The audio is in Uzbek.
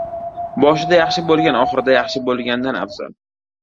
• Boshida yaxshi bo‘lgan oxirida yaxshi bo‘lgandan afzal.